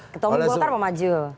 ketua umum golkar mau maju